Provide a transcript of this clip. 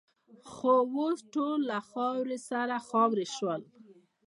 خو اوس ټول له خاورو سره خاوروې شول.